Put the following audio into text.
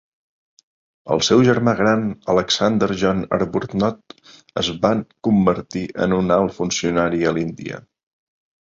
El seu germà gran, Alexander John Arbuthnot, es va convertir en un alt funcionari a l'Índia.